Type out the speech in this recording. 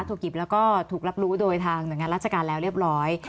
ถูกหยิบแล้วก็ถูกรับรู้โดยทางหน่วยงานราชการแล้วเรียบร้อย